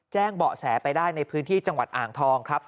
เบาะแสไปได้ในพื้นที่จังหวัดอ่างทองครับ